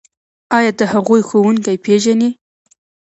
ایا د هغوی ښوونکي پیژنئ؟